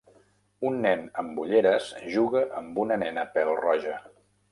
Un nen amb ulleres juga amb una nena pèl-roja.